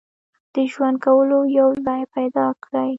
د ژوند کولو یو ځای پیدا کړي.